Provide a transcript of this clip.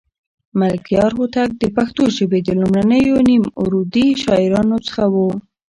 ملکیار هوتک د پښتو ژبې د لومړنيو نیم عروضي شاعرانو څخه و.